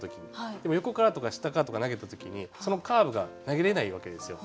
でも横からとか下からとか投げた時にそのカーブが投げれないわけですよ。